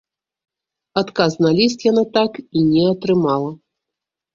Адказ на ліст яна так і не атрымала.